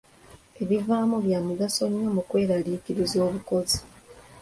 Ebivaamu bya mugaso nnyo mu kwekaliriza obukozi.